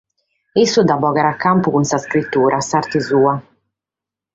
Issu dda bogat a campu cun s’iscritura, s’arte sua.